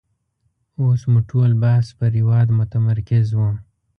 اوس مو ټول بحث پر هېواد متمرکز وو.